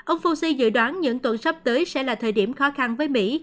ông fuse dự đoán những tuần sắp tới sẽ là thời điểm khó khăn với mỹ